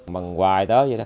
mận hoài tới vậy đó